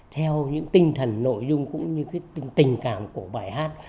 theo những tinh thần nội dung cũng như tình cảm của bài hát